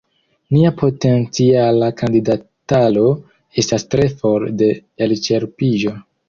Nia potenciala kandidataro estas tre for de elĉerpiĝo.